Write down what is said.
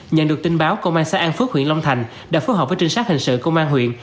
nhận được tin báo công an xã an phước huyện long thành đã phối hợp với trinh sát hình sự công an huyện